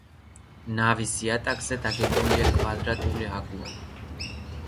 ნავის იატაკზე დაგებულია კვადრატული აგური.